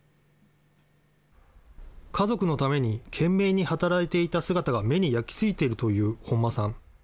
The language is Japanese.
家族のために懸命に働いていた姿が目に焼き付いているという本間さん。